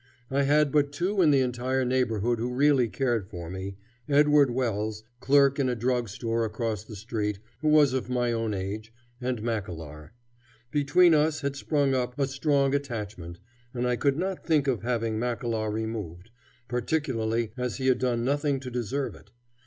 I had but two in the entire neighborhood who really cared for me Edward Wells, clerk in a drug store across the street, who was of my own age, and Mackellar. Between us had sprung up a strong attachment, and I could not think of having Mackellar removed, particularly as he had done nothing to deserve it.